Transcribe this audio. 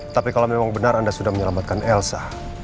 tapi kalau memang benar anda sudah menyelamatkan elsa